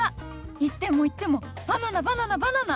行っても行ってもバナナバナナバナナ！